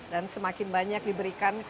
dan semakin banyak diberikan